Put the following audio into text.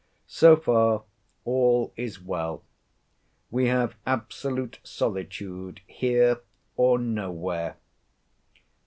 So far all is well. We have absolute solitude here or nowhere.